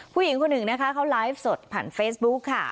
ผู้หญิงคนหนึ่งนะคะเขาไลฟ์สดผ่านเฟซบุ๊คค่ะ